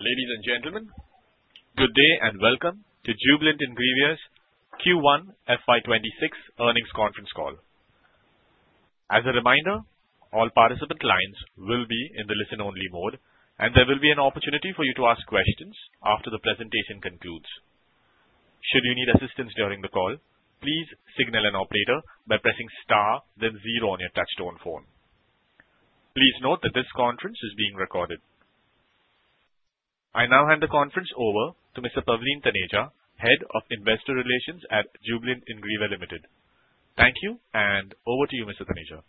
Ladies and gentlemen, good day and welcome to Jubilant Ingrevia's Q1 FY 2026 earnings conference call. As a reminder, all participant lines will be in the listen-only mode, and there will be an opportunity for you to ask questions after the presentation concludes. Should you need assistance during the call, please signal an operator by pressing star, then zero on your touch-tone phone. Please note that this conference is being recorded. I now hand the conference over to Mr. Pavleen Taneja, Head of Investor Relations at Jubilant Ingrevia Limited. Thank you, and over to you, Mr. Taneja.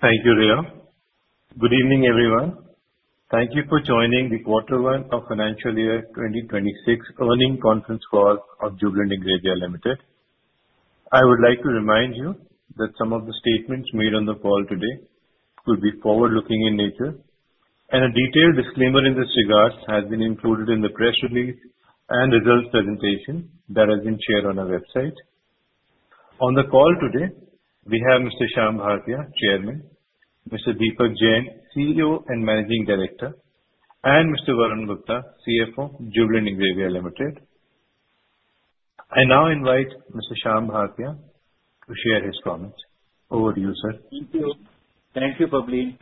Thank you, Rayo. Good evening, everyone. Thank you for joining the Q1 of financial year 2026 earnings conference call of Jubilant Ingrevia Limited. I would like to remind you that some of the statements made on the call today could be forward-looking in nature, and a detailed disclaimer in this regard has been included in the press release and results presentation that has been shared on our website. On the call today, we have Mr. Shyam Bhartia, Chairman, Mr. Deepak Jain, CEO and Managing Director, and Mr. Varun Gupta, CFO, Jubilant Ingrevia Limited. I now invite Mr. Shyam Bhartia to share his comments. Over to you, sir. Thank you. Thank you, Pavleen.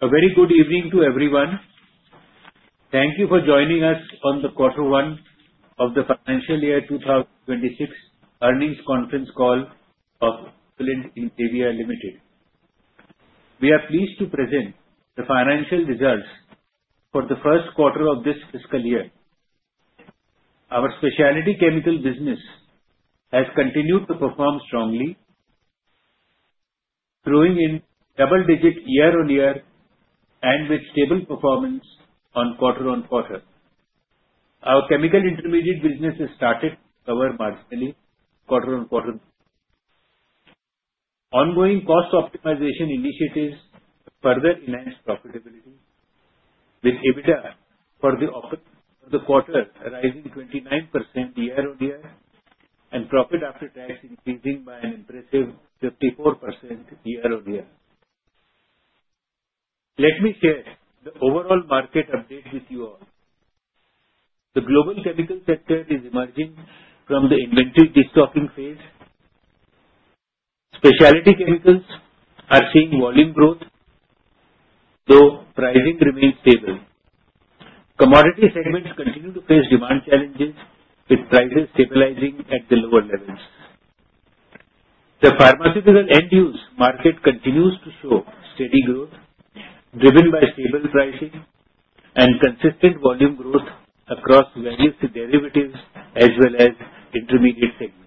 A very good evening to everyone. Thank you for joining us on the quarter one of the financial year 2026 earnings conference call of Jubilant Ingrevia Limited. We are pleased to present the financial results for the first quarter of this fiscal year. Our specialty chemical business has continued to perform strongly, growing in double-digit year-on-year and with stable performance on quarter-on-quarter. Our chemical intermediate business has started to recover marginally quarter-on-quarter. Ongoing cost optimization initiatives further enhance profitability, with EBITDA for the quarter rising 29% year-on-year and profit after tax increasing by an impressive 54% year-on-year. Let me share the overall market update with you all. The global chemical sector is emerging from the inventory stocking phase. Specialty chemicals are seeing volume growth, though pricing remains stable. Commodity segments continue to face demand challenges, with prices stabilizing at the lower levels. The pharmaceutical end-use market continues to show steady growth, driven by stable pricing and consistent volume growth across various derivatives as well as intermediate segments.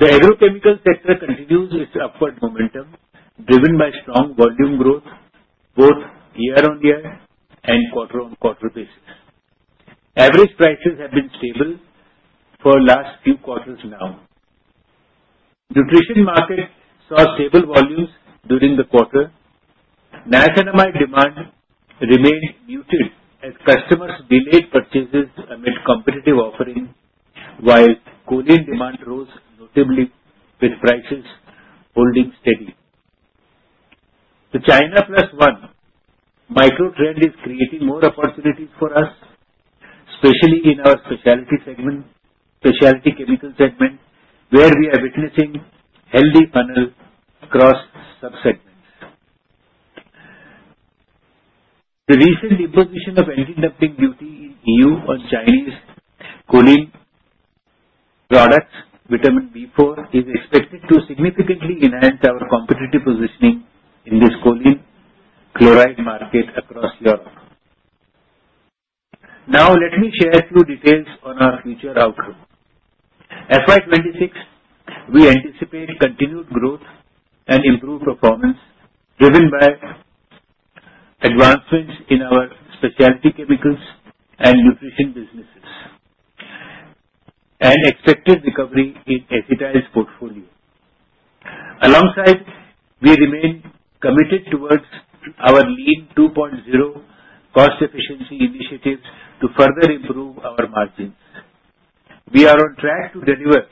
The agrochemical sector continues its upward momentum, driven by strong volume growth both year-on-year and quarter-on-quarter basis. Average prices have been stable for the last few quarters now. Nutrition market saw stable volumes during the quarter. Niacinamide demand remained muted as customers delayed purchases amid competitive offerings, while choline demand rose notably, with prices holding steady. The China Plus One microtrend is creating more opportunities for us, especially in our specialty chemical segment, where we are witnessing healthy funnel across subsegments. The recent imposition of anti-dumping duty in EU on Chinese choline products, Vitamin B4, is expected to significantly enhance our competitive positioning in this choline chloride market across Europe. Now, let me share a few details on our future outlook. FY 2026, we anticipate continued growth and improved performance, driven by advancements in our specialty chemicals and nutrition businesses, and expected recovery in acetyl's portfolio. Alongside, we remain committed towards our Lean 2.0 cost efficiency initiatives to further improve our margins. We are on track to deliver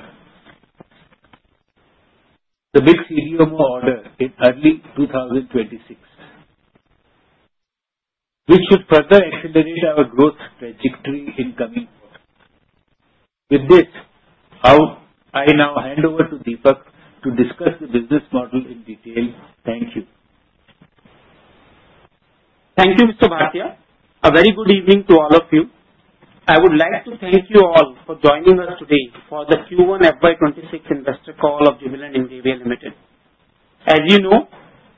the big CDMO order in early 2026, which should further accelerate our growth trajectory in coming quarters. With this, I now hand over to Deepak to discuss the business model in detail. Thank you. Thank you, Mr. Bhartia. A very good evening to all of you. I would like to thank you all for joining us today for the Q1 FY 2026 investor call of Jubilant Ingrevia Limited. As you know,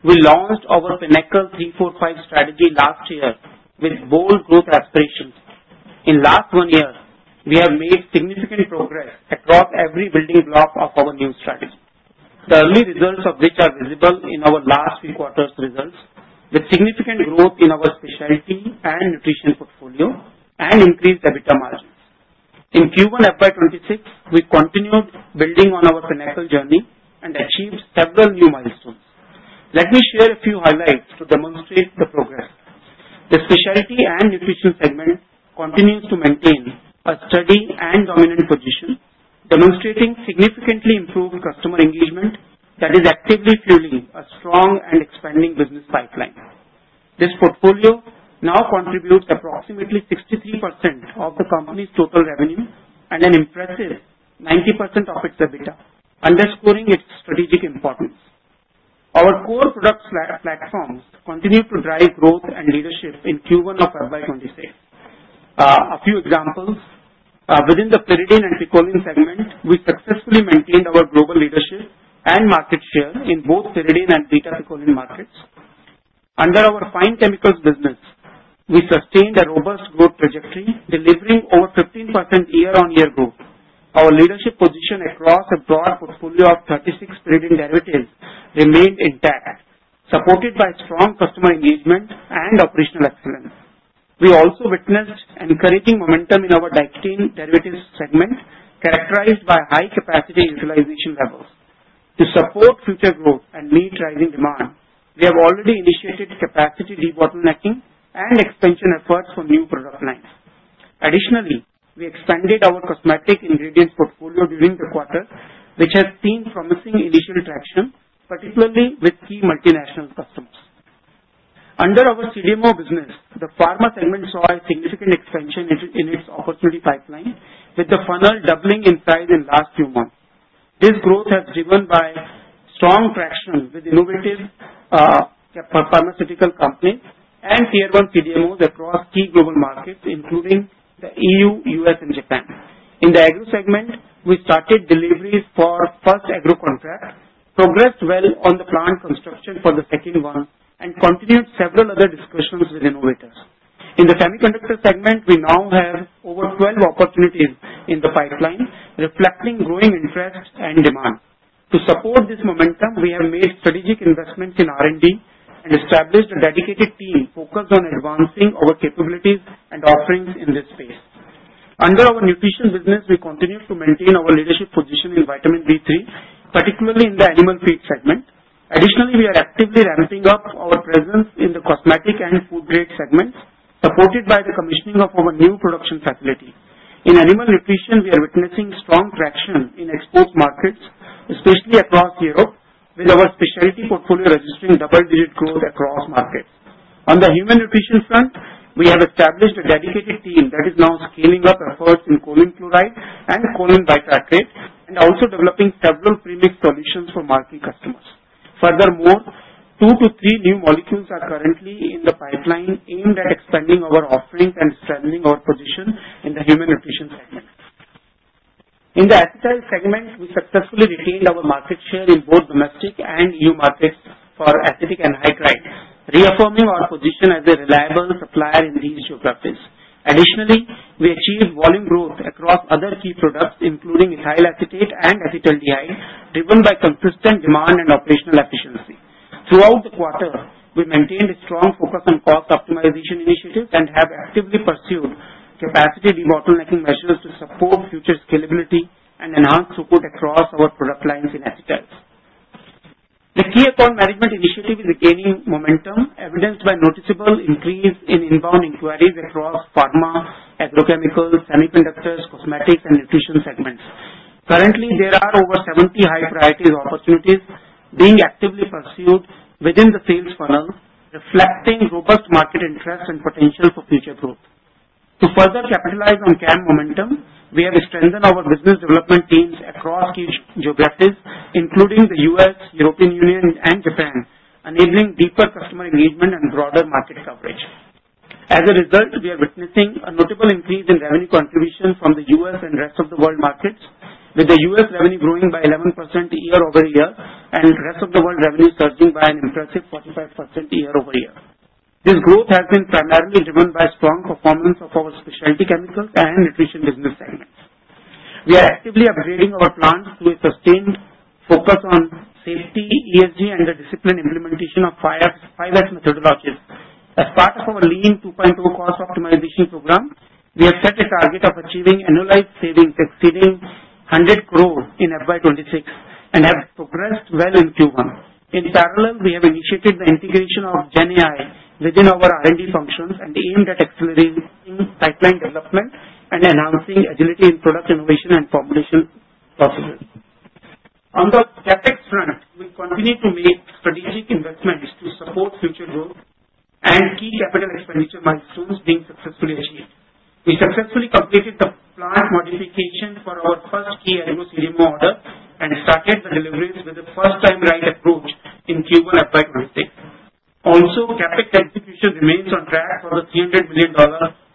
we launched our Pinnacle 345 strategy last year with bold growth aspirations. In the last one year, we have made significant progress across every building block of our new strategy, the early results of which are visible in our last three quarters' results, with significant growth in our specialty and nutrition portfolio and increased EBITDA margins. In Q1 FY 2026, we continued building on our Pinnacle journey and achieved several new milestones. Let me share a few highlights to demonstrate the progress. The Specialty and Nutrition segment continues to maintain a steady and dominant position, demonstrating significantly improved customer engagement that is actively fueling a strong and expanding business pipeline. This portfolio now contributes approximately 63% of the company's total revenue and an impressive 90% of its EBITDA, underscoring its strategic importance. Our core product platforms continue to drive growth and leadership in Q1 of FY 2026. A few examples: within the Pyridine and Picoline segment, we successfully maintained our global leadership and market share in both Pyridine and Beta-Picoline markets. Under our fine chemicals business, we sustained a robust growth trajectory, delivering over 15% year-on-year growth. Our leadership position across a broad portfolio of 36 Pyridine derivatives remained intact, supported by strong customer engagement and operational excellence. We also witnessed encouraging momentum in our Diketene Derivatives segment, characterized by high capacity utilization levels. To support future growth and meet rising demand, we have already initiated capacity de-bottlenecking and expansion efforts for new product lines. Additionally, we expanded our cosmetic ingredients portfolio during the quarter, which has seen promising initial traction, particularly with key multinational customers. Under our CDMO business, the Pharma segment saw a significant expansion in its opportunity pipeline, with the funnel doubling in size in the last few months. This growth has been driven by strong traction with innovative pharmaceutical companies and tier-1 CDMOs across key global markets, including the EU, U.S., and Japan. In the Agro segment, we started deliveries for the first agro contract, progressed well on the plant construction for the second one, and continued several other discussions with innovators. In the Semiconductor segment, we now have over 12 opportunities in the pipeline, reflecting growing interest and demand. To support this momentum, we have made strategic investments in R&D and established a dedicated team focused on advancing our capabilities and offerings in this space. Under our Nutrition business, we continue to maintain our leadership position in vitamin B3, particularly in the Animal Feed segment. Additionally, we are actively ramping up our presence in the Cosmetic and Food-Grade segments, supported by the commissioning of our new production facility. In Animal Nutrition, we are witnessing strong traction in export markets, especially across Europe, with our specialty portfolio registering double-digit growth across markets. On the Human Nutrition front, we have established a dedicated team that is now scaling up efforts in choline chloride and choline byproduct, and also developing several premixed solutions for market customers. Furthermore, two to three new molecules are currently in the pipeline, aimed at expanding our offerings and strengthening our position in the Human Nutrition segment. In the Acetyl segment, we successfully retained our market share in both domestic and EU markets for acetic anhydride, reaffirming our position as a reliable supplier in these geographies. Additionally, we achieved volume growth across other key products, including ethyl acetate and acetaldehyde, driven by consistent demand and operational efficiency. Throughout the quarter, we maintained a strong focus on cost optimization initiatives and have actively pursued capacity de-bottlenecking measures to support future scalability and enhance support across our product lines in acetyls. The key account management initiative is gaining momentum, evidenced by a noticeable increase in inbound inquiries across Pharma, Agrochemicals, Semiconductors, Cosmetics, and Nutrition segments. Currently, there are over 70 high-priority opportunities being actively pursued within the sales funnel, reflecting robust market interest and potential for future growth. To further capitalize on KAM momentum, we have strengthened our business development teams across key geographies, including the U.S., European Union, and Japan, enabling deeper customer engagement and broader market coverage. As a result, we are witnessing a notable increase in revenue contributions from the U.S. and rest of the world markets, with the U.S. revenue growing by 11% year-over-year and the rest of the world revenue surging by an impressive 45% year-over-year. This growth has been primarily driven by strong performance of our Specialty Chemicals and Nutrition Business segments. We are actively upgrading our plants to a sustained focus on safety, ESG, and the disciplined implementation of 5S methodologies. As part of our Lean 2.0 cost optimization program, we have set a target of achieving an annualized savings exceeding 100 crore in FY 2026 and have progressed well in Q1. In parallel, we have initiated the integration of GenAI within our R&D functions and aimed at accelerating pipeline development and enhancing agility in product innovation and formulation processes. On the CapEx front, we continue to make strategic investments to support future growth and key capital expenditure milestones being successfully achieved. We successfully completed the plant modification for our first key agro CDMO order and started the deliveries with a first-time-right approach in Q1 FY 2026. Also, CapEx execution remains on track for the $300 million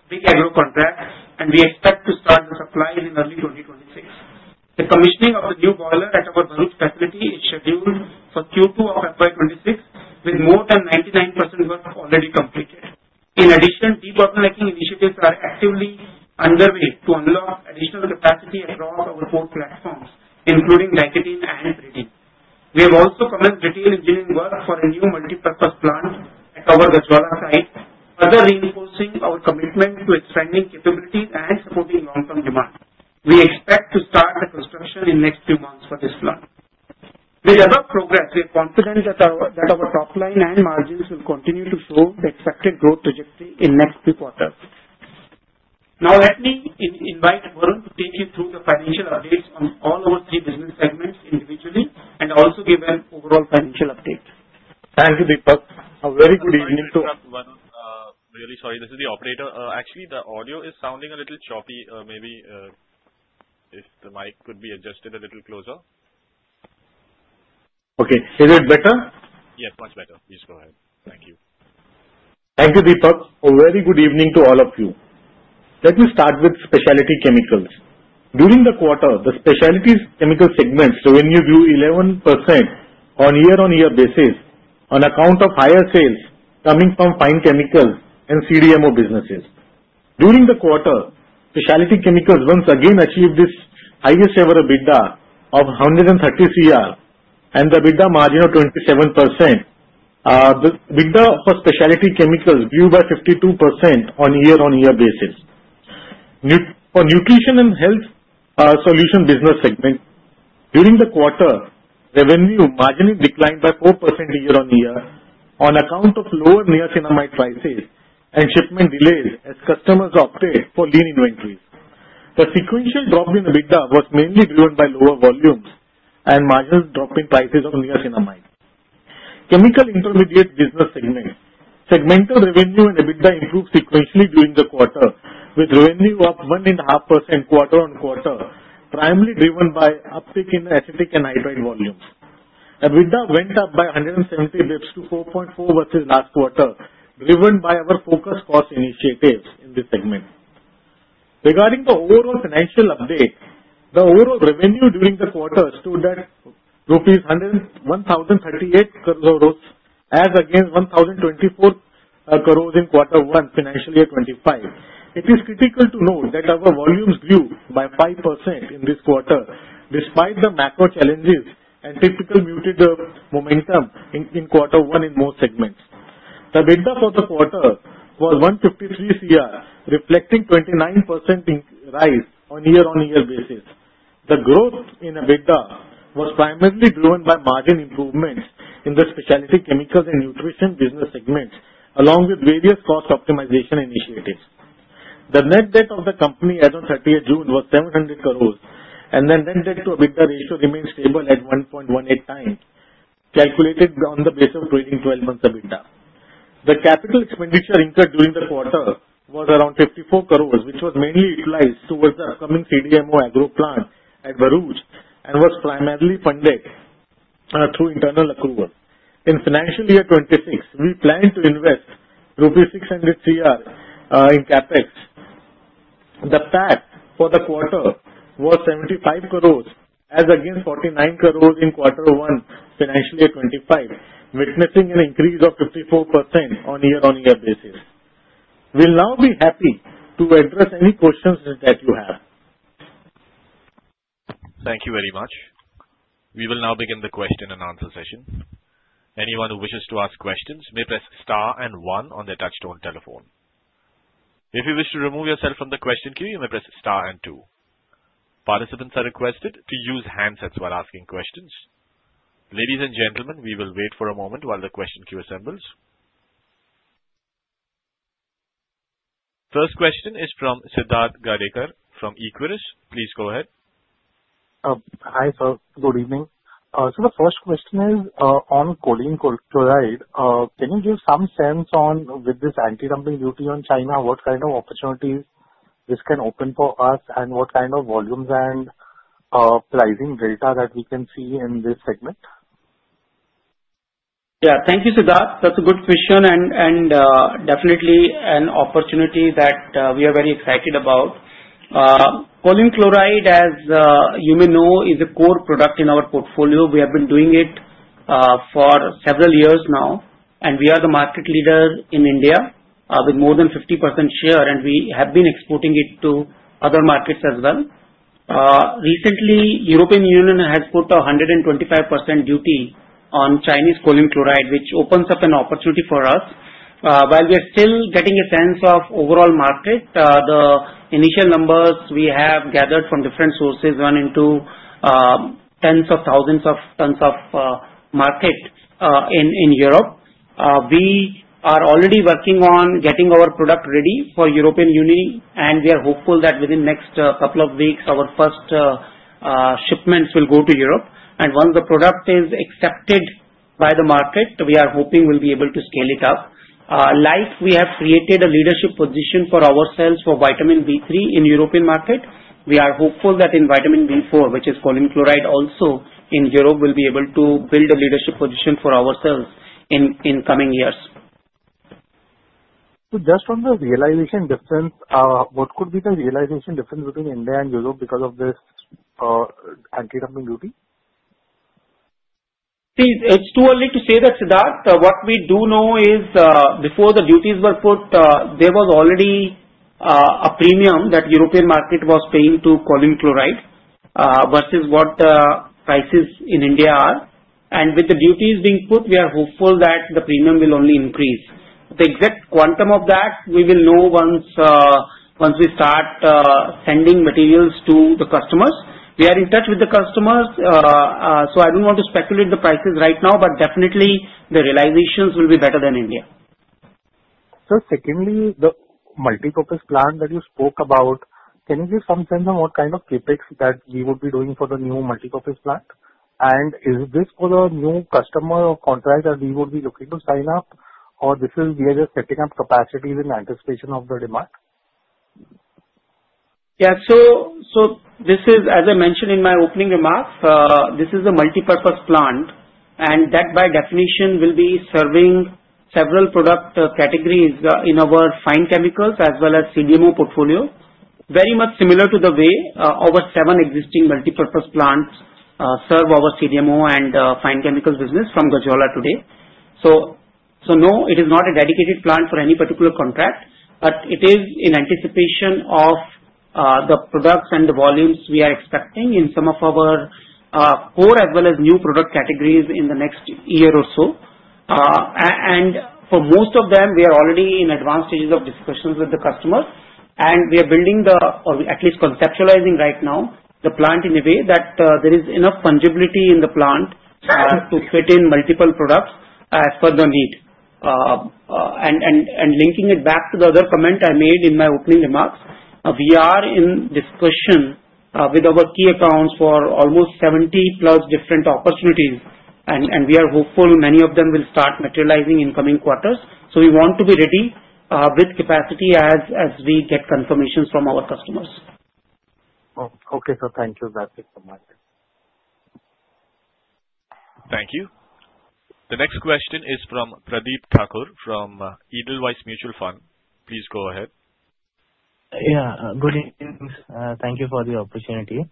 big agro contract, and we expect to start the supplies in early 2026. The commissioning of the new boiler at our Bharuch facility is scheduled for Q2 of FY 2026, with more than 99% work already completed. In addition, de-bottlenecking initiatives are actively underway to unlock additional capacity across our core platforms, including Diketene and Pyridine. We have also commenced retail engineering work for a new multipurpose plant at our Gajraula site, further reinforcing our commitment to expanding capabilities and supporting long-term demand. We expect to start the construction in the next few months for this plant. With the above progress, we are confident that our top line and margins will continue to show the expected growth trajectory in the next three quarters. Now, let me invite Varun to take you through the financial updates on all our three business segments individually and also give an overall financial update. Thank you, Deepak. A very good evening to. Deepak, Varun, really sorry. This is the operator. Actually, the audio is sounding a little choppy. Maybe if the mic could be adjusted a little closer. Okay. Is it better? Yes, much better. Please go ahead. Thank you. Thank you, Deepak. A very good evening to all of you. Let me start with specialty chemicals. During the quarter, the Specialty Chemical segment's revenue grew 11% on year-on-year basis on account of higher sales coming from fine chemicals and CDMO businesses. During the quarter, specialty chemicals once again achieved this highest-ever EBITDA of 130 crore and the EBITDA margin of 27%. The EBITDA for specialty chemicals grew by 52% on year-on-year basis. For Nutrition and Health Solution Business segment, during the quarter, revenue margin declined by 4% year-on-year on account of lower niacinamide prices and shipment delays as customers opted for lean inventories. The sequential drop in EBITDA was mainly driven by lower volumes and marginal drop in prices of niacinamide. Chemical Intermediate Business segment. Segmental revenue and EBITDA improved sequentially during the quarter, with revenue up 1.5% quarter-on-quarter, primarily driven by uptick in acetic anhydride volumes. EBITDA went up by 170 basis points to 4.4% versus last quarter, driven by our focused cost initiatives in this segment. Regarding the overall financial update, the overall revenue during the quarter stood at rupees 1,038 crore as against 1,024 crore in quarter one financial year 2025. It is critical to note that our volumes grew by 5% in this quarter, despite the macro challenges and typical muted momentum in quarter one in most segments. The EBITDA for the quarter was 153 crore, reflecting 29% rise on year-on-year basis. The growth in EBITDA was primarily driven by margin improvements in the Specialty Chemicals and Nutrition Business segments, along with various cost optimization initiatives. The net debt of the company as of 30 June was 700 crore, and the net debt-to-EBITDA ratio remained stable at 1.18 times, calculated on the basis of trailing 12 months EBITDA. The capital expenditure incurred during the quarter was around 54 crore, which was mainly utilized towards the upcoming CDMO agro plant at Bharuch and was primarily funded through internal accrual. In financial year 2026, we planned to invest INR 600 crore in CapEx. The PAT for the quarter was 75 crores as against 49 crore in quarter one financial year 2025, witnessing an increase of 54% on year-on-year basis. We'll now be happy to address any questions that you have. Thank you very much. We will now begin the question and answer session. Anyone who wishes to ask questions may press star and one on their touch-stone telephone. If you wish to remove yourself from the question queue, you may press star and two. Participants are requested to use handsets while asking questions. Ladies and gentlemen, we will wait for a moment while the question queue assembles. First question is from Siddharth Gadekar from Equirus. Please go ahead. Hi, sir. Good evening, so the first question is on choline chloride. Can you give some sense on, with this anti-dumping duty on China, what kind of opportunities this can open for us, and what kind of volumes and pricing delta that we can see in this segment? Yeah, thank you, Siddharth. That's a good question and definitely an opportunity that we are very excited about. Choline chloride, as you may know, is a core product in our portfolio. We have been doing it for several years now, and we are the market leader in India with more than 50% share, and we have been exporting it to other markets as well. Recently, the European Union has put a 125% duty on Chinese choline chloride, which opens up an opportunity for us. While we are still getting a sense of the overall market, the initial numbers we have gathered from different sources run into tens of thousands of tons of market in Europe. We are already working on getting our product ready for the European Union, and we are hopeful that within the next couple of weeks, our first shipments will go to Europe. And once the product is accepted by the market, we are hoping we'll be able to scale it up. Like we have created a leadership position for ourselves for vitamin B3 in the European market, we are hopeful that in vitamin B4, which is choline chloride, also in Europe, we'll be able to build a leadership position for ourselves in coming years. So just on the realization difference, what could be the realization difference between India and Europe because of this anti-dumping duty? See, it's too early to say that, Siddharth. What we do know is, before the duties were put, there was already a premium that the European market was paying to choline chloride versus what the prices in India are. And with the duties being put, we are hopeful that the premium will only increase. The exact quantum of that, we will know once we start sending materials to the customers. We are in touch with the customers, so I don't want to speculate the prices right now, but definitely, the realizations will be better than India. So secondly, the multipurpose plant that you spoke about, can you give some sense on what kind of CapEx that we would be doing for the new multipurpose plant? And is this for a new customer or contract that we would be looking to sign up, or this is we are just setting up capacity in anticipation of the demand? Yeah, so this is, as I mentioned in my opening remarks, this is a multipurpose plant, and that by definition will be serving several product categories in our fine chemicals as well as CDMO portfolio, very much similar to the way our seven existing multipurpose plants serve our CDMO and fine chemicals business from Gajraula today. So no, it is not a dedicated plant for any particular contract, but it is in anticipation of the products and the volumes we are expecting in some of our core as well as new product categories in the next year or so. And for most of them, we are already in advanced stages of discussions with the customers, and we are building the, or at least conceptualizing right now, the plant in a way that there is enough fungibility in the plant to fit in multiple products as per the need. And linking it back to the other comment I made in my opening remarks, we are in discussion with our key accounts for almost 70 plus different opportunities, and we are hopeful many of them will start materializing in coming quarters. So we want to be ready with capacity as we get confirmations from our customers. Okay, sir. Thank you. That's it for my side. Thank you. The next question is from Pradeep Thakur from Edelweiss Mutual Fund. Please go ahead. Yeah, good evening. Thank you for the opportunity.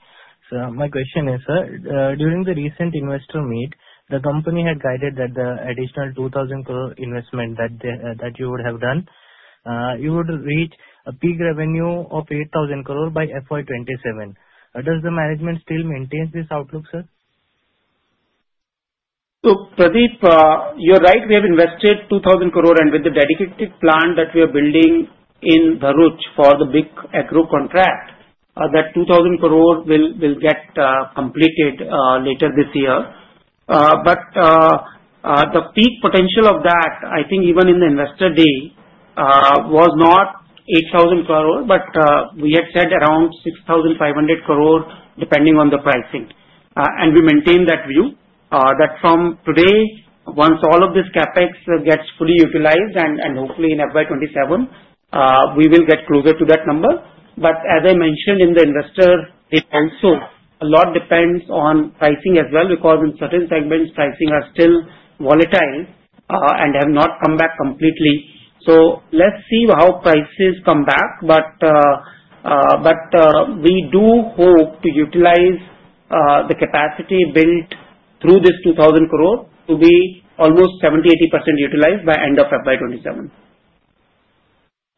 So my question is, sir, during the recent investor meet, the company had guided that the additional 2,000 crore investment that you would have done, you would reach a peak revenue of 8,000 crore by FY 2027. Does the management still maintain this outlook, sir? Pradeep, you're right. We have invested 2,000 crore, and with the dedicated plant that we are building in Bharuch for the big agro contract, that 2,000 crore will get completed later this year. But the peak potential of that, I think even in the investor day, was not 8,000 crore, but we had said around 6,500 crore, depending on the pricing. And we maintain that view that from today, once all of this CapEx gets fully utilized, and hopefully in FY 2027, we will get closer to that number. But as I mentioned in the investor day also, a lot depends on pricing as well, because in certain segments, pricing are still volatile and have not come back completely. So let's see how prices come back, but we do hope to utilize the capacity built through this 2,000 crore to be almost 70%-80% utilized by end of FY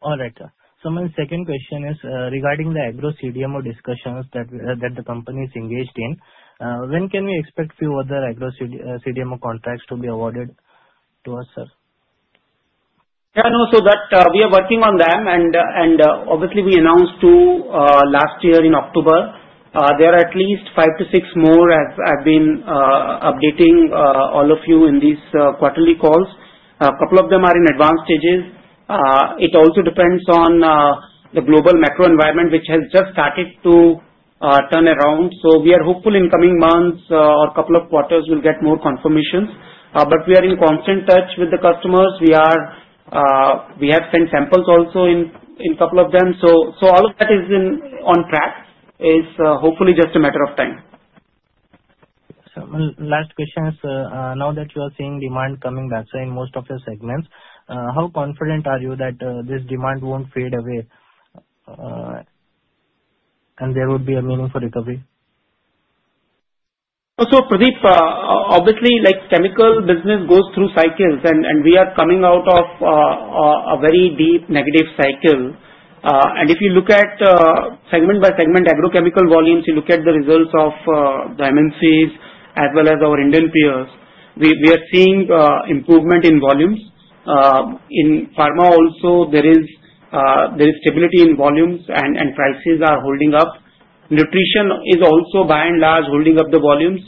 2027. All right, so my second question is regarding the agro CDMO discussions that the company is engaged in. When can we expect a few other agro CDMO contracts to be awarded to us, sir? Yeah, no, so that we are working on them, and obviously, we announced two last year in October. There are at least five to six more I've been updating all of you in these quarterly calls. A couple of them are in advanced stages. It also depends on the global macro environment, which has just started to turn around, so we are hopeful in coming months or a couple of quarters, we'll get more confirmations. But we are in constant touch with the customers. We have sent samples also in a couple of them, so all of that is on track. It's hopefully just a matter of time. Last question is, now that you are seeing demand coming back in most of your segments, how confident are you that this demand won't fade away and there would be a meaningful recovery? Pradeep, obviously, chemical business goes through cycles, and we are coming out of a very deep negative cycle. If you look at segment-by-segment agrochemical volumes, you look at the results of the MNCs as well as our Indian peers. We are seeing improvement in volumes. In pharma also, there is stability in volumes, and prices are holding up. Nutrition is also, by and large, holding up the volumes.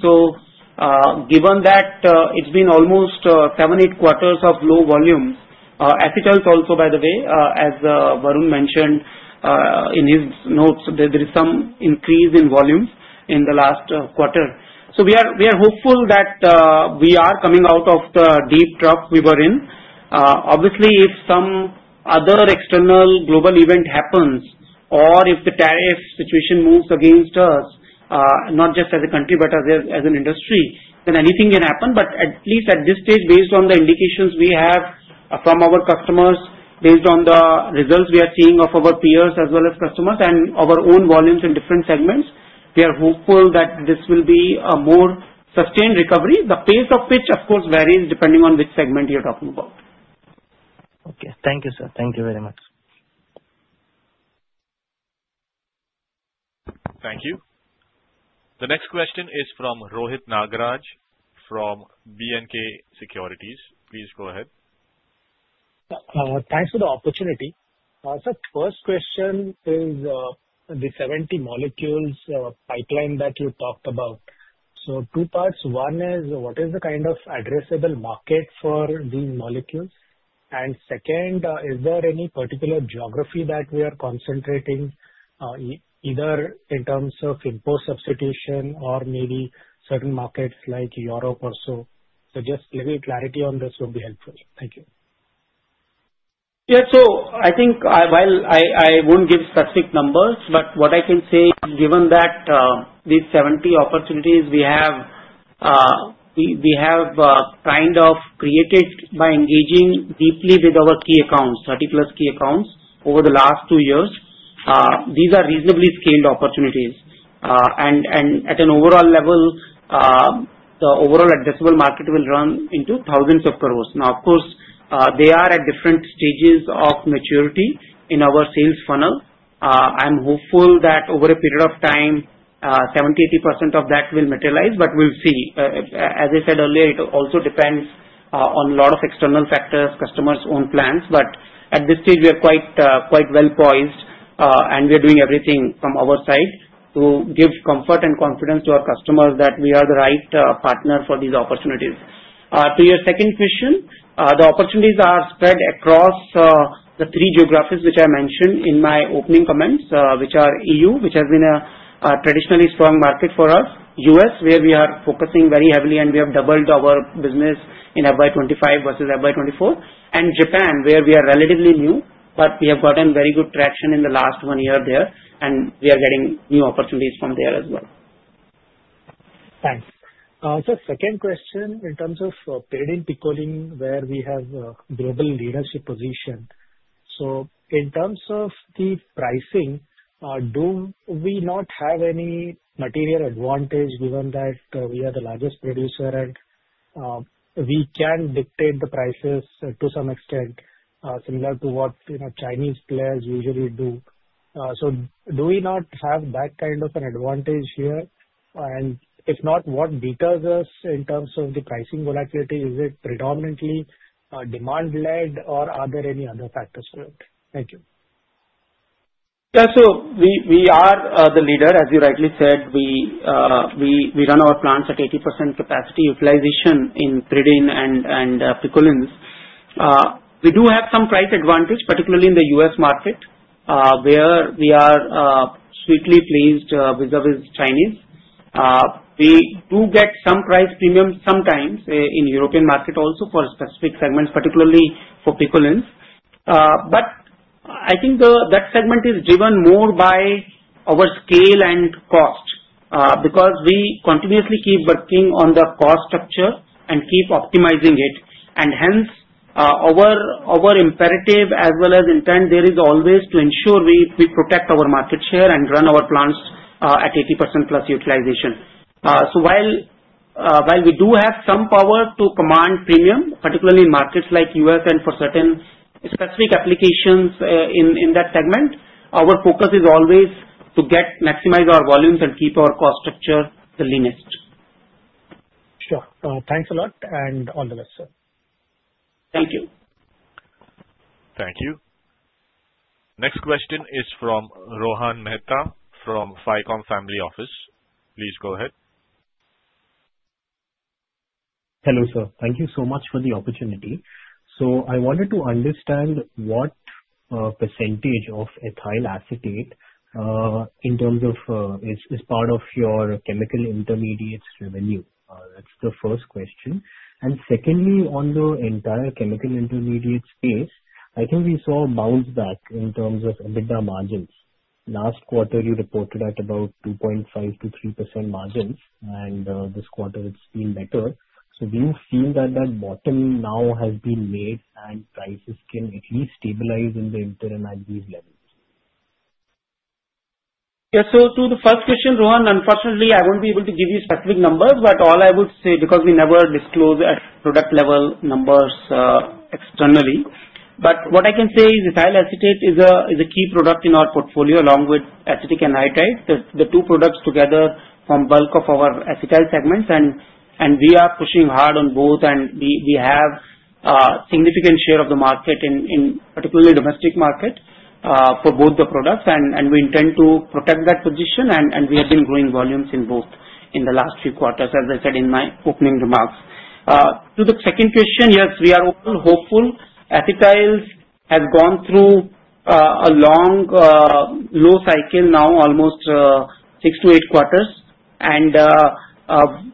Given that it's been almost seven, eight quarters of low volumes, acetyls also, by the way, as Varun mentioned in his notes, there is some increase in volumes in the last quarter. We are hopeful that we are coming out of the deep trough we were in. Obviously, if some other external global event happens, or if the tariff situation moves against us, not just as a country but as an industry, then anything can happen. But at least at this stage, based on the indications we have from our customers, based on the results we are seeing of our peers as well as customers, and our own volumes in different segments, we are hopeful that this will be a more sustained recovery. The pace of which, of course, varies depending on which segment you're talking about. Okay. Thank you, sir. Thank you very much. Thank you. The next question is from Rohit Nagraj from B&K Securities. Please go ahead. Thanks for the opportunity. So first question is the 70 molecules pipeline that you talked about. So two parts. One is, what is the kind of addressable market for these molecules? And second, is there any particular geography that we are concentrating, either in terms of import substitution or maybe certain markets like Europe or so? So just giving clarity on this would be helpful. Thank you. Yeah, so I think I won't give specific numbers, but what I can say, given that these 70 opportunities we have, we have kind of created by engaging deeply with our key accounts, 30-plus key accounts over the last two years. These are reasonably scaled opportunities. And at an overall level, the overall addressable market will run into thousands of crores. Now, of course, they are at different stages of maturity in our sales funnel. I'm hopeful that over a period of time, 70%-80% of that will materialize, but we'll see. As I said earlier, it also depends on a lot of external factors, customers' own plans. But at this stage, we are quite well poised, and we are doing everything from our side to give comfort and confidence to our customers that we are the right partner for these opportunities. To your second question, the opportunities are spread across the three geographies which I mentioned in my opening comments, which are EU, which has been a traditionally strong market for us, U.S., where we are focusing very heavily, and we have doubled our business in FY 2025 versus FY 2024, and Japan, where we are relatively new, but we have gotten very good traction in the last one year there, and we are getting new opportunities from there as well. Thanks. So second question, in terms of Pyridine and Picolines, where we have a global leadership position. So in terms of the pricing, do we not have any material advantage given that we are the largest producer and we can dictate the prices to some extent, similar to what Chinese players usually do? So do we not have that kind of an advantage here? And if not, what differentiates us in terms of the pricing volatility? Is it predominantly demand-led, or are there any other factors to it? Thank you. Yeah, so we are the leader. As you rightly said, we run our plants at 80% capacity utilization in Pyridine and Picolines. We do have some price advantage, particularly in the U.S. market, where we are sweetly placed vis-à-vis Chinese. We do get some price premium sometimes in the European market also for specific segments, particularly for Picolines. But I think that segment is driven more by our scale and cost because we continuously keep working on the cost structure and keep optimizing it. And hence, our imperative as well as intent there is always to ensure we protect our market share and run our plants at 80%+ utilization. So while we do have some power to command premium, particularly in markets like U.S. and for certain specific applications in that segment, our focus is always to maximize our volumes and keep our cost structure the leanest. Sure. Thanks a lot, and all the best, sir. Thank you. Thank you. Next question is from Rohan Mehta from FICOM Family Office. Please go ahead. Hello, sir. Thank you so much for the opportunity. So I wanted to understand what percentage of ethyl acetate in terms of is part of your chemical intermediates revenue. That's the first question. And secondly, on the entire chemical intermediates space, I think we saw a bounce back in terms of EBITDA margins. Last quarter, you reported at about 2.5%-3% margins, and this quarter, it's been better. So do you feel that that bottom now has been made and prices can at least stabilize in the interim at these levels? Yeah, so to the first question, Rohan, unfortunately, I won't be able to give you specific numbers, but all I would say, because we never disclose product-level numbers externally. But what I can say is ethyl acetate is a key product in our portfolio along with acetic anhydride. The two products together form bulk of our acetyl segments, and we are pushing hard on both, and we have a significant share of the market, particularly domestic market, for both the products. And we intend to protect that position, and we have been growing volumes in both in the last few quarters, as I said in my opening remarks. To the second question, yes, we are all hopeful. Acetyl has gone through a long low cycle now, almost six to eight quarters, and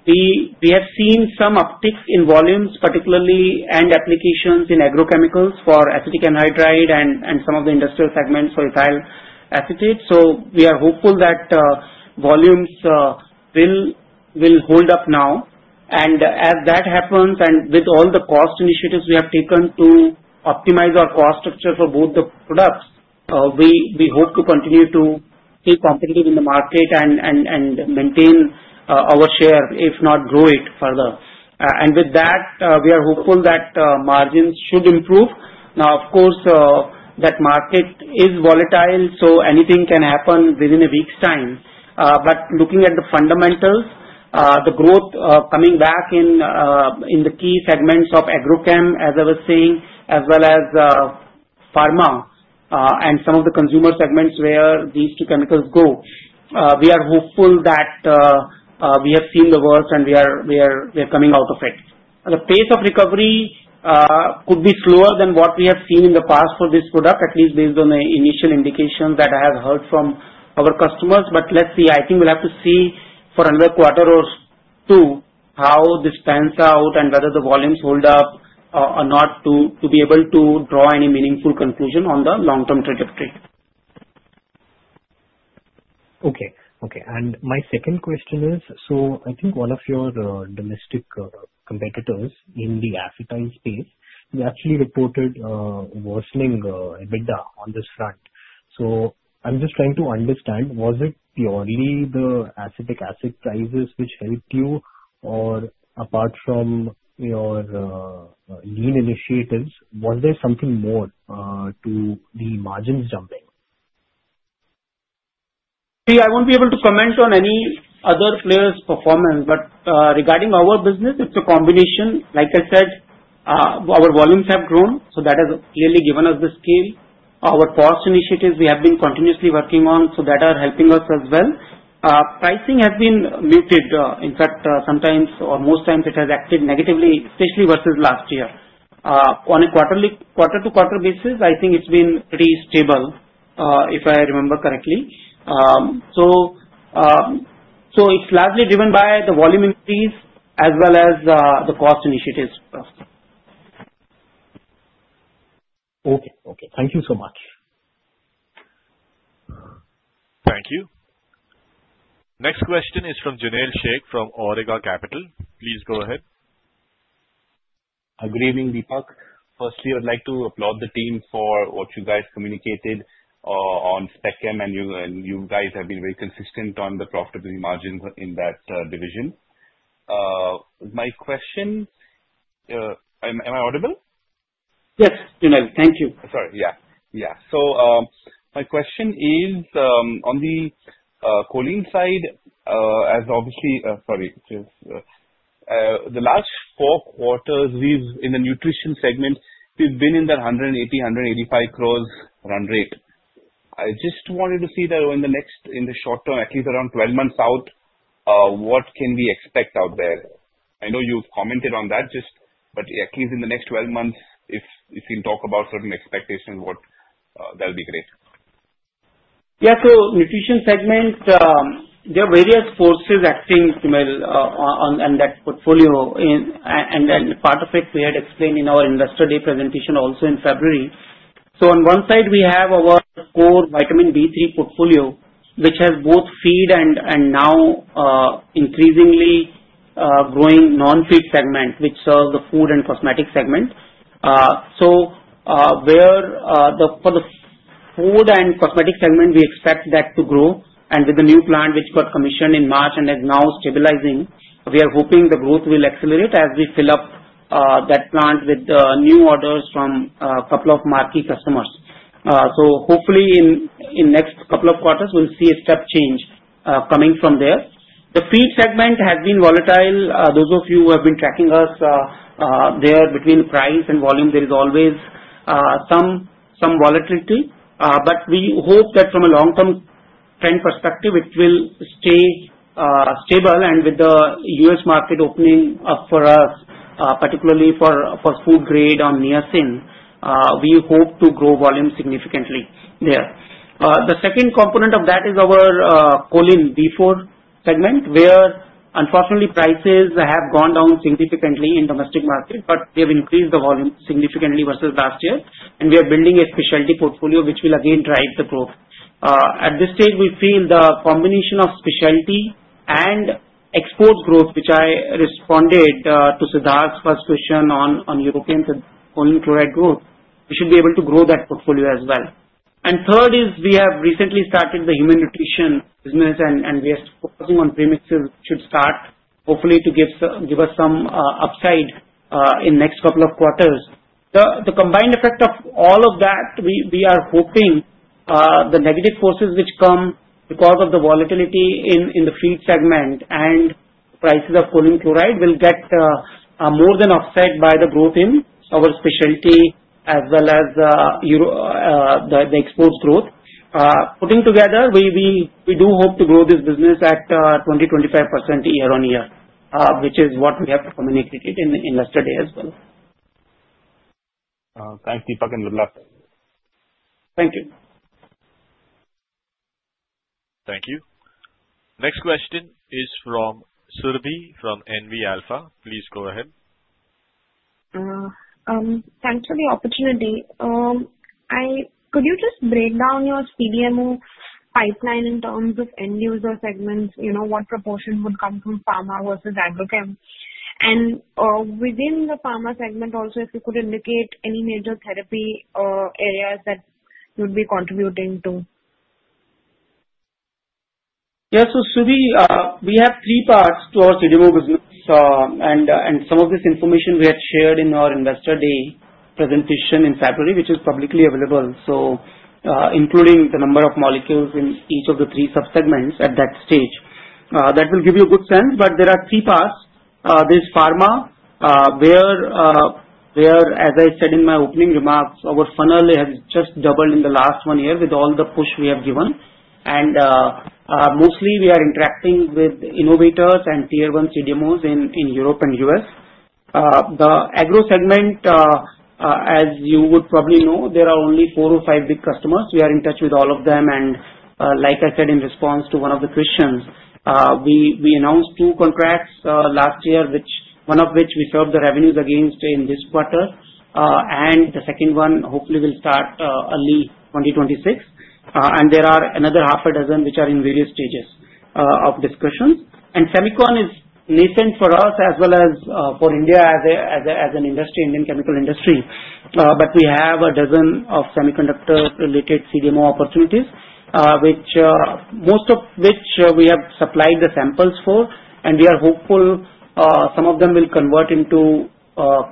we have seen some uptick in volumes, particularly end applications in agrochemicals for acetic anhydride and some of the industrial segments for ethyl acetate. So we are hopeful that volumes will hold up now. And as that happens, and with all the cost initiatives we have taken to optimize our cost structure for both the products, we hope to continue to stay competitive in the market and maintain our share, if not grow it further. And with that, we are hopeful that margins should improve. Now, of course, that market is volatile, so anything can happen within a week's time. But looking at the fundamentals, the growth coming back in the key segments of agrochem, as I was saying, as well as pharma and some of the consumer segments where these two chemicals go, we are hopeful that we have seen the worst and we are coming out of it. The pace of recovery could be slower than what we have seen in the past for this product, at least based on the initial indications that I have heard from our customers. But let's see. I think we'll have to see for another quarter or two how this pans out and whether the volumes hold up or not to be able to draw any meaningful conclusion on the long-term trajectory. Okay. Okay. And my second question is, so I think one of your domestic competitors in the acetyl space, you actually reported worsening EBITDA on this front. So I'm just trying to understand, was it purely the acetic acid prices which helped you, or apart from your lean initiatives, was there something more to the margins jumping? See, I won't be able to comment on any other player's performance, but regarding our business, it's a combination. Like I said, our volumes have grown, so that has clearly given us the scale. Our cost initiatives we have been continuously working on, so that are helping us as well. Pricing has been muted. In fact, sometimes, or most times, it has acted negatively, especially versus last year. On a quarter-to-quarter basis, I think it's been pretty stable, if I remember correctly. So it's largely driven by the volume increase as well as the cost initiatives. Okay. Okay. Thank you so much. Thank you. Next question is from Junail Shaikh from Awriga Capital. Please go ahead. Good evening, Deepak. Firstly, I'd like to applaud the team for what you guys communicated on spec chem, and you guys have been very consistent on the profitability margins in that division. My question. Am I audible? Yes, Junail. Thank you. Sorry. Yeah. So my question is, on the choline side. The last four quarters, in the Nutrition segment, we've been in that 180-185 crores run rate. I just wanted to see that in the short term, at least around 12 months out, what can we expect out there? I know you've commented on that, but at least in the next 12 months, if you can talk about certain expectations, that would be great. Yeah. So, Nutrition segment, there are various forces acting on that portfolio, and part of it we had explained in our investor day presentation also in February. So, on one side, we have our core Vitamin B3 portfolio, which has both feed and now increasingly growing non-feed segment, which serves the Food and Cosmetic segment. So, for the Food and Cosmetic segment, we expect that to grow. And with the new plant which got commissioned in March and is now stabilizing, we are hoping the growth will accelerate as we fill up that plant with new orders from a couple of marquee customers. So, hopefully, in the next couple of quarters, we'll see a step change coming from there. The Feed segment has been volatile. Those of you who have been tracking us there, between price and volume, there is always some volatility. But we hope that from a long-term trend perspective, it will stay stable. And with the U.S. market opening up for us, particularly for food-grade on niacin, we hope to grow volume significantly there. The second component of that is our Choline B4 segment, where unfortunately, prices have gone down significantly in the domestic market, but we have increased the volume significantly versus last year, and we are building a specialty portfolio which will again drive the growth. At this stage, we feel the combination of specialty and export growth, which I responded to Siddharth's first question on European choline chloride growth, we should be able to grow that portfolio as well. And third is, we have recently started the human nutrition business, and we are focusing on premixes, which should start, hopefully, to give us some upside in the next couple of quarters. The combined effect of all of that, we are hoping the negative forces which come because of the volatility in the Feed segment and prices of choline chloride will get more than offset by the growth in our specialty as well as the export growth. Putting together, we do hope to grow this business at 20%-25% year on year, which is what we have communicated in investor day as well. Thanks, Deepak, and good luck. Thank you. Thank you. Next question is from Surabhi from NV Alpha. Please go ahead. Thanks for the opportunity. Could you just break down your CDMO pipeline in terms of end-user segments? What proportion would come from pharma versus agrochem? And within the pharma segment also, if you could indicate any major therapy areas that you would be contributing to. Yeah, so Surabhi, we have three parts to our CDMO business, and some of this information we had shared in our investor day presentation in February, which is publicly available, including the number of molecules in each of the three subsegments at that stage. That will give you a good sense, but there are three parts. There's pharma, where, as I said in my opening remarks, our funnel has just doubled in the last one year with all the push we have given, and mostly, we are interacting with innovators and tier-1 CDMOs in Europe and the U.S. The Agro segment, as you would probably know, there are only four or five big customers. We are in touch with all of them. And like I said, in response to one of the questions, we announced two contracts last year, one of which we served the revenues against in this quarter, and the second one hopefully will start early 2026. And there are another half a dozen which are in various stages of discussions. And Semicon is nascent for us as well as for India as an industry, Indian chemical industry. But we have a dozen of semiconductor-related CDMO opportunities, most of which we have supplied the samples for, and we are hopeful some of them will convert into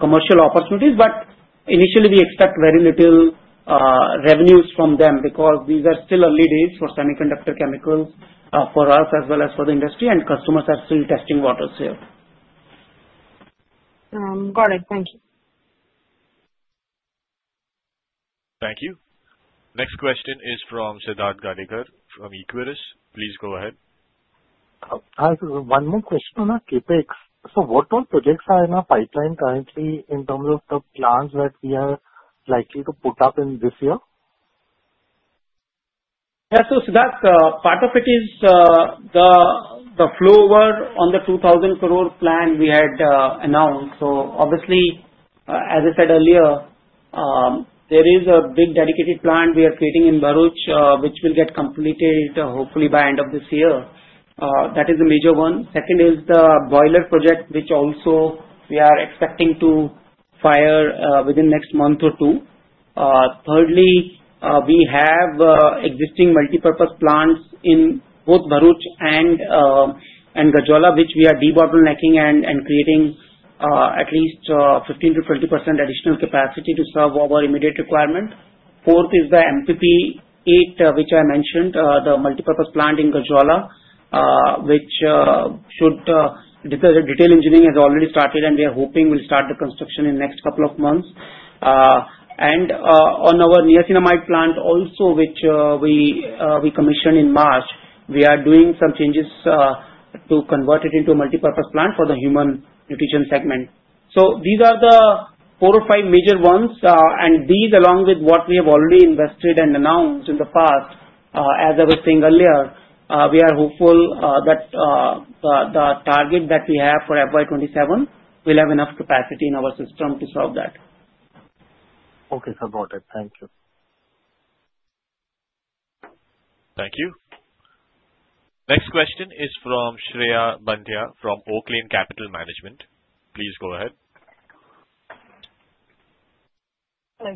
commercial opportunities. But initially, we expect very little revenues from them because these are still early days for semiconductor chemicals for us as well as for the industry, and customers are still testing waters here. Got it. Thank you. Thank you. Next question is from Siddharth Gadekar from Equirus. Please go ahead. One more question on the CapEx. So what all projects are in our pipeline currently in terms of the plans that we are likely to put up in this year? Yeah. So Siddharth, part of it is the flow over on the INR-2,000 crore plan we had announced. So obviously, as I said earlier, there is a big dedicated plant we are creating in Bharuch, which will get completed hopefully by end of this year. That is the major one. Second is the boiler project, which also we are expecting to fire within the next month or two. Thirdly, we have existing multipurpose plants in both Bharuch and Gajraula, which we are de-bottlenecking and creating at least 15%-20% additional capacity to serve our immediate requirement. Fourth is the MPP 8, which I mentioned, the multipurpose plant in Gajraula, which detailed engineering has already started, and we are hoping we'll start the construction in the next couple of months. And on our niacinamide plant also, which we commissioned in March, we are doing some changes to convert it into a multipurpose plant for the Human Nutrition segment. So these are the four or five major ones. And these, along with what we have already invested and announced in the past, as I was saying earlier, we are hopeful that the target that we have for FY 2027 will have enough capacity in our system to solve that. Okay. So got it. Thank you. Thank you. Next question is from Shreya Banthia from Oaklane Capital Management. Please go ahead.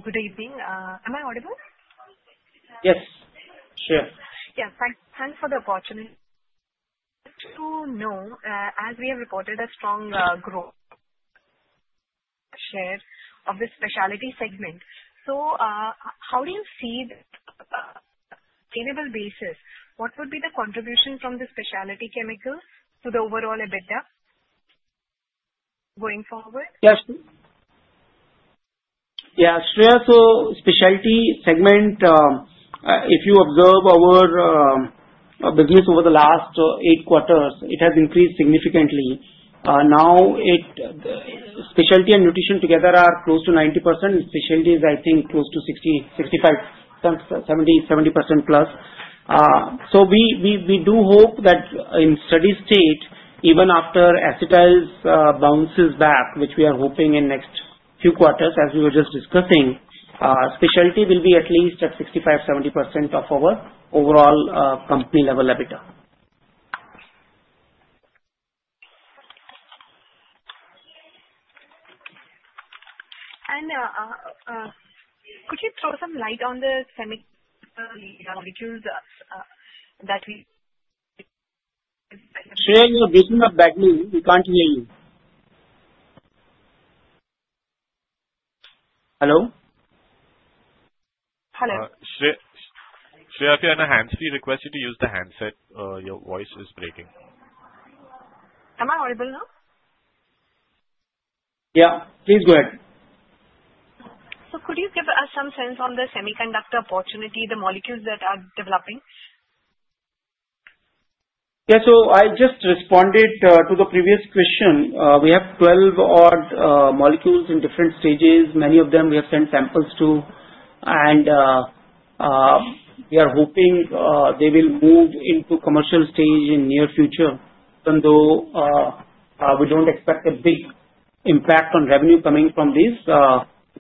Good evening. Am I audible? Yes. Sure. Yes. Thanks for the opportunity. You know, as we have reported a strong growth share of the Specialty segment, so how do you see the sustainable basis? What would be the contribution from the Specialty Chemicals to the overall EBITDA going forward? Yeah. Yeah. So Specialty segment, if you observe our business over the last eight quarters, it has increased significantly. Now, Specialty and Nutrition together are close to 90%. Specialty is, I think, close to 65%-70%+. So we do hope that in steady state, even after acetyl bounces back, which we are hoping in the next few quarters, as we were just discussing, Specialty will be at least at 65%-70% of our overall company-level EBITDA. And could you throw some light on the semiconductor molecules that we? Shreya, you're breaking up badly. We can't hear you. Hello? Hello. Shreya, if you have a handset, we request you to use the handset. Your voice is breaking. Am I audible now? Yeah. Please go ahead. So could you give us some sense on the semiconductor opportunity, the molecules that are developing? Yeah. So I just responded to the previous question. We have 12-odd molecules in different stages. Many of them we have sent samples to, and we are hoping they will move into commercial stage in the near future, even though we don't expect a big impact on revenue coming from these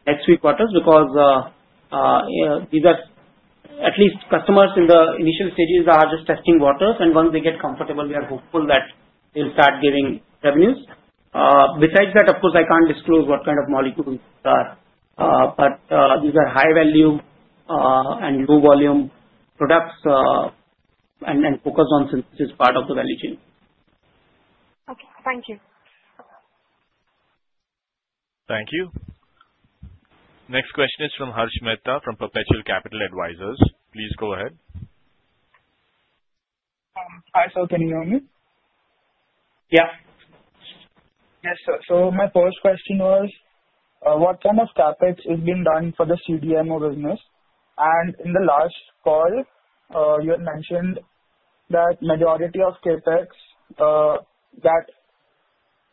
next few quarters because these are at least customers in the initial stages are just testing waters. And once they get comfortable, we are hopeful that they'll start giving revenues. Besides that, of course, I can't disclose what kind of molecules these are, but these are high-value and low-volume products and focus on synthesis part of the value chain. Okay. Thank you. Thank you. Next question is from Harsh Mehta from Perpetual Capital Advisors. Please go ahead. Hi. So can you hear me? Yeah. Yes, sir. So my first question was, what kind of CapEx is being done for the CDMO business? And in the last call, you had mentioned that majority of CapEx that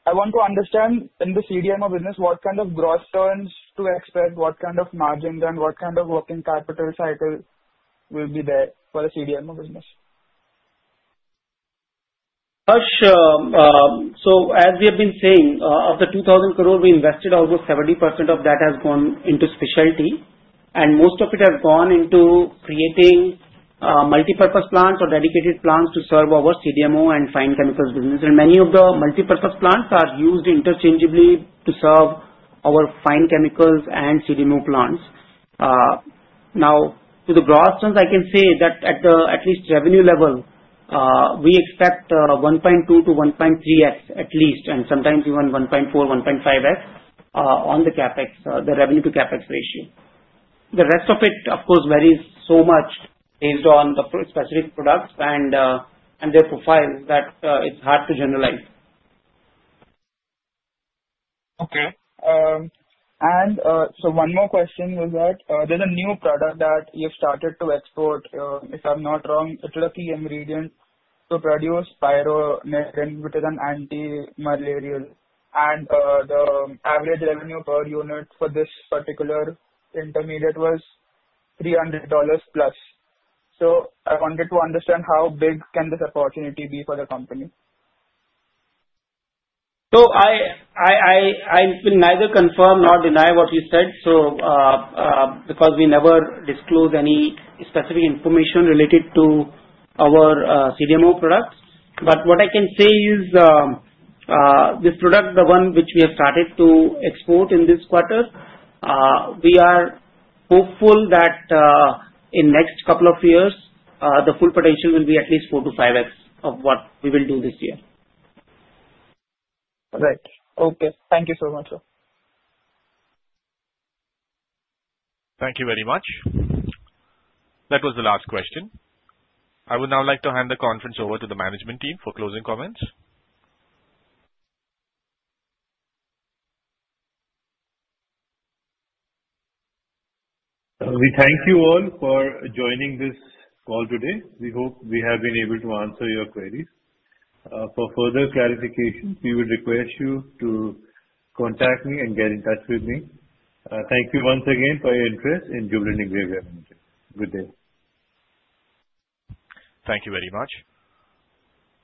I want to understand in the CDMO business, what kind of gross turns to expect, what kind of margin then, what kind of working capital cycle will be there for the CDMO business? Harsh, so as we have been saying, of the 2,000 crore we invested, almost 70% of that has gone into specialty, and most of it has gone into creating multipurpose plants or dedicated plants to serve our CDMO and fine chemicals business. And many of the multipurpose plants are used interchangeably to serve our fine chemicals and CDMO plants. Now, to the gross terms, I can say that at least revenue level, we expect 1.2x-1.3x at least, and sometimes even 1.4x-1.5x on the revenue-to-CapEx ratio. The rest of it, of course, varies so much based on the specific products and their profile that it's hard to generalize. Okay. And so one more question was that there's a new product that you've started to export, if I'm not wrong, it's a key ingredient to produce Pyronaridine, which is an antimalarial. And the average revenue per unit for this particular intermediate was $300+. So I wanted to understand how big can this opportunity be for the company? I will neither confirm nor deny what you said because we never disclose any specific information related to our CDMO products. But what I can say is this product, the one which we have started to export in this quarter, we are hopeful that in the next couple of years, the full potential will be at least 4x-5x of what we will do this year. Right. Okay. Thank you so much, sir. Thank you very much. That was the last question. I would now like to hand the conference over to the management team for closing comments. We thank you all for joining this call today. We hope we have been able to answer your queries. For further clarification, we would request you to contact me and get in touch with me. Thank you once again for your interest in Jubilant Ingrevia Limited. Good day. Thank you very much.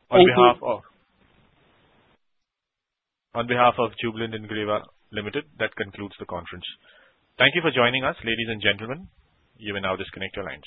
Thank you. On behalf of Jubilant Ingrevia Limited, that concludes the conference. Thank you for joining us, ladies and gentlemen. You may now disconnect your lines.